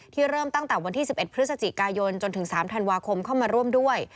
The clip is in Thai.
เริ่มตั้งแต่วันที่๑๑พฤศจิกายนจนถึง๓ธันวาคมเข้ามาร่วมด้วย